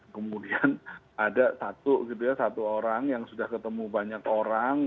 kemudian ada satu orang yang sudah ketemu banyak orang